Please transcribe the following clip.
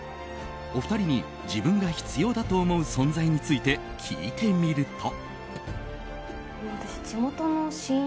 お二人に、自分が必要だと思う存在について聞いてみると。